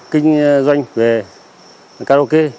kinh doanh về karaoke